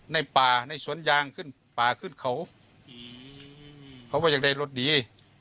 ในป่าในศวรรษยางขึ้นป่าขึ้นเขาเขาว่าจะได้รถดี